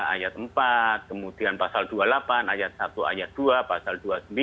ayat empat kemudian pasal dua puluh delapan ayat satu ayat dua pasal dua puluh sembilan